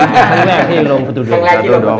ครั้งแรกพี่ยังลงประตูดวง